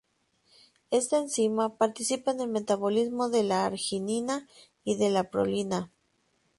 Esta enzima participa en el metabolismo de la arginina y de la prolina.